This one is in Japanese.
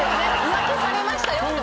浮気されましたよって。